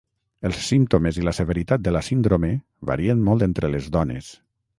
Els símptomes i la severitat de la síndrome varien molt entre les dones.